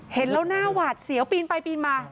เห็นแล้วหน้าหวาดเสียวปีนไปปีนมา